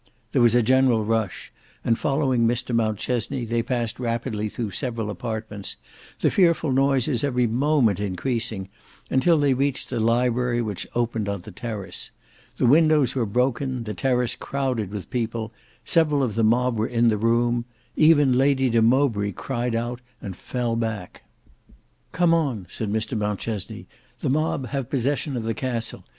There was a general rush, and following Mr Mountchesney they passed rapidly through several apartments, the fearful noises every moment increasing, until they reached the library which opened on the terrace. The windows were broken, the terrace crowded with people, several of the mob were in the room, even Lady de Mowbray cried out and fell back. "Come on," said Mr Mountchesney. "The mob have possession of the castle.